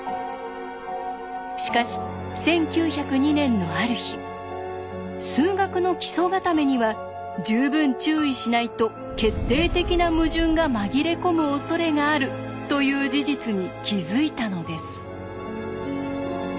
しかし１９０２年のある日数学の基礎固めには十分注意しないと決定的な矛盾が紛れ込むおそれがあるという事実に気づいたのです。